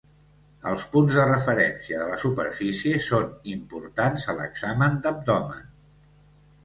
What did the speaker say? Els punts de referència de la superfície són importants a l'examen d'abdomen.